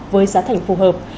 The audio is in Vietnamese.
với giá thành phù hợp